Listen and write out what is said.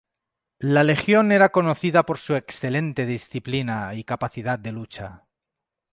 La Legión era conocida por su excelente disciplina y capacidad de lucha.